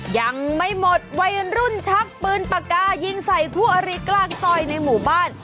ยังไม่หมดวัยรุ่นชักปืนปากกายิงใส่คู่อาริกลางซอยในหมู่บ้าน